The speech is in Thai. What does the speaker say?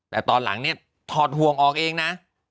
แต่ตอนหลังเนี่ยถอดห่วงออกเองนะ